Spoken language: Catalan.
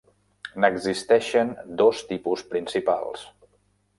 N'existeixen dos tipus principals.